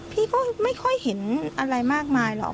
พี่ก็ไม่ค่อยเห็นอะไรมากมายหรอก